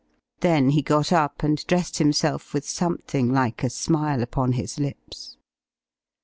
Then he got up and dressed himself with something like a smile upon his lips.